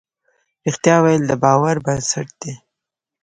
رښتيا ويل د باور بنسټ دی.